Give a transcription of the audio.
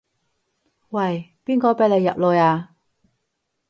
喂，邊個畀你入來啊？